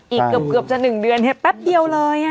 อีกเกือบจะ๑เดือนแป๊บเดียวเลย